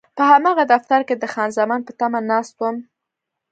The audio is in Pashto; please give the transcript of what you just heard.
په هماغه دفتر کې د خان زمان په تمه ناست وم.